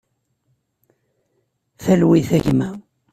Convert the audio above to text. Talwit a gma.